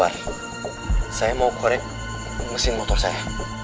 begini bang koba saya mau korek mesin motor saya